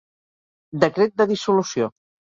Decret de Dissolució.